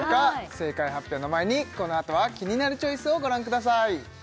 正解発表の前にこの後は「キニナルチョイス」をご覧ください